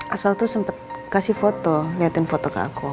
asal tuh sempet kasih foto liatin foto ke aku